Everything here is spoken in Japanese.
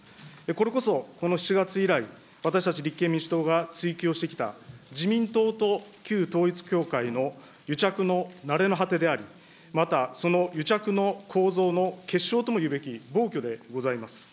これこそこの７月以来、私たち立憲民主党が追及をしてきた、自民党と旧統一教会の癒着のなれの果てであり、またその癒着の構造の結晶とも言うべき暴挙でございます。